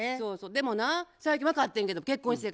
でもな最近分かってんけど結婚してから。